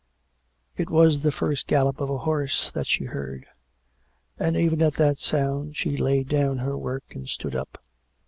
It was first the gallop of a horse that she heard; and even at that sound she laid down her work and stood up.